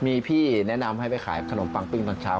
มีพี่แนะนำให้ไปขายขนมปังปิ้งตอนเช้า